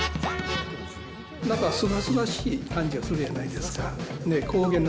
なんかすがすがしい感じがするやないですか。